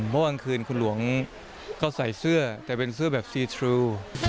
เมื่อคืนคุณหลวงก็ใส่เสื้อแต่เป็นเสื้อแบบซีทรู